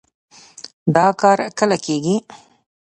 دا کار کله کېږي؟